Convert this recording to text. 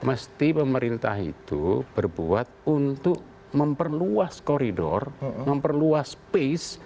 mesti pemerintah itu berbuat untuk memperluas koridor memperluas pace